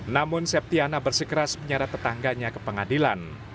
namun septiana bersikeras menyeret tetangganya ke pengadilan